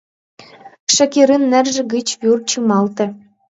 Шакирын нерже гыч вӱр чымалте.